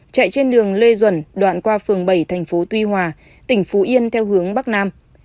chạy trên đường lê duẩn đoạn qua phường bảy thành phố tuy hòa tỉnh phú yên theo hướng bắc nam